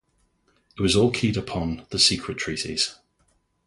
It was all keyed upon the secret treaties.